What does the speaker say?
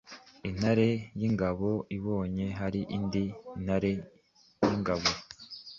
intare y’ingabo ibonye hari indi ntare y’ingabo